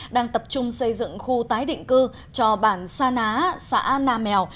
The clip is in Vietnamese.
đang tập trung xây dựng khu tái định cư cho bản sa ná xã nam mèo